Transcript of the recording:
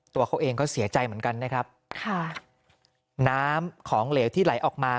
ตัวเขาเองก็เสียใจเหมือนกันนะครับค่ะน้ำของเหลวที่ไหลออกมา